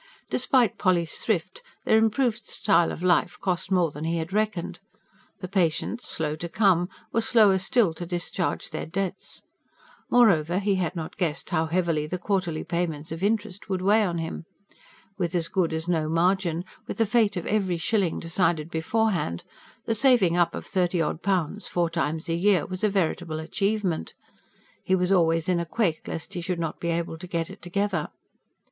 Despite Polly's thrift, their improved style of life cost more than he had reckoned; the patients, slow to come, were slower still to discharge their debts. Moreover, he had not guessed how heavily the quarterly payments of interest would weigh on him. With as good as no margin, with the fate of every shilling decided beforehand, the saving up of thirty odd pounds four times a year was a veritable achievement. He was always in a quake lest he should not be able to get it together.